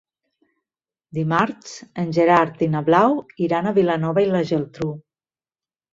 Dimarts en Gerard i na Blau iran a Vilanova i la Geltrú.